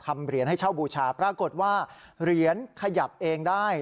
เหรียญให้เช่าบูชาปรากฏว่าเหรียญขยับเองได้